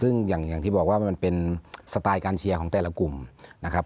ซึ่งอย่างที่บอกว่ามันเป็นสไตล์การเชียร์ของแต่ละกลุ่มนะครับ